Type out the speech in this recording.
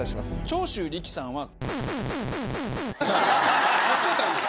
長州力さんは。